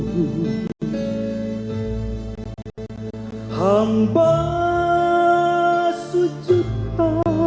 cukup segitu terus